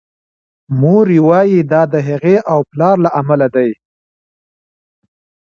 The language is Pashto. مور یې وايي دا د هغې او پلار له امله دی.